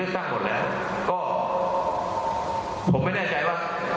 ทั้ง๔๐๐เกตแล้วครับ